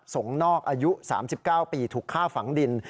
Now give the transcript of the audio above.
งนอกอายุ๓๙ปีถูกฆ่าฝังดิน